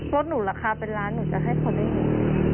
รถหนูราคาเป็นล้านหนูจะให้คนได้เห็น